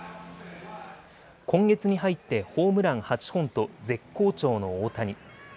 今月に入ってホームラン８本と絶好調の大谷。